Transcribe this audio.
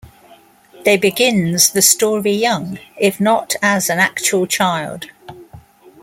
They begins the story young, if not as an actual child.